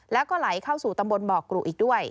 แล้วก็ไหลเข้าสู่ตำบลบ่อกรุอีกด้วย